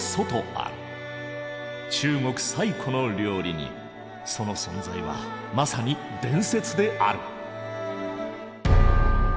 中国最古の料理人その存在はまさに伝説である。